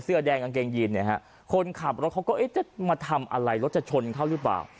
เสื้อแดงกางเกงยีนเนี่ยฮะคนขับรถเขาก็เอ๊ะจะมาทำอะไรรถจะชนเขาหรือเปล่า